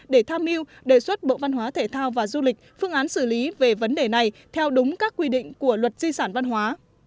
để tham mưu đề xuất bộ văn hóa thể thao và du lịch phương án xử lý về vấn đề này theo đúng các quy định của luật di sản văn hóa